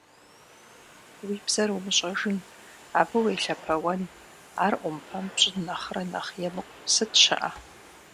Уи бзэр умыщӏэжын, абы уелъэпэуэн, ар ӏумпэм пщӏын нэхърэ нэхъ емыкӏу сыт щыӏэ!